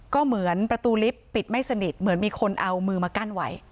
ก็เหมือนประตูลิฟต์ปิดไม่สนิทเหมือนมีคนเอามือมากั้นไว้